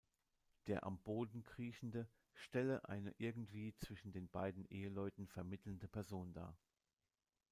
Der am Boden Kriechende stelle eine irgendwie zwischen den beiden Eheleuten vermittelnde Person dar.